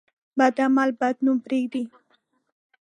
بد عمل بد نوم پرېږدي.